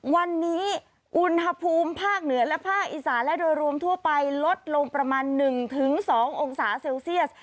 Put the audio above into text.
วันนี้อุณหภูมิภาคเหนือและภาคอีสานและโดยรวมทั่วไปลดลงประมาณ๑๒องศาเซลเซียส